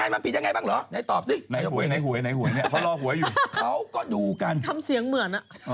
ยังไงมันผิดยังไงบ้างหรือ